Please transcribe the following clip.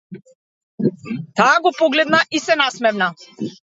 Таа го погледна и се насмевна.